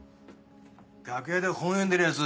楽屋で本読んでるヤツ